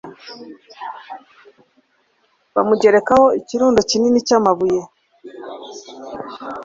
bamugerekaho ikirundo kinini cy'amabuye